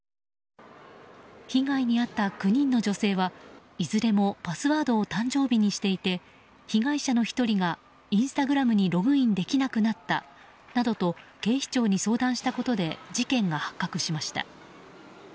被害に遭った９人の女性はいずれもパスワードを誕生日にしていて被害者の１人がインスタグラムにログインできなくなったなどと警視庁に相談したことで事件が発覚しました。